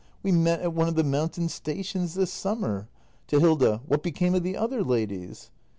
] We met at one of the mountain stations this summer. [To Hilda.] What became of the other ladies